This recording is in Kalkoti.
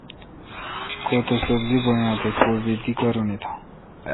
کوتو سبزی بویا تہ کو بی دی کارونی تھاں